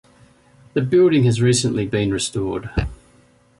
The building has recently been restored.